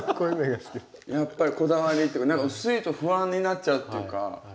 やっぱりこだわりっていうか何か薄いと不安になっちゃうっていうか。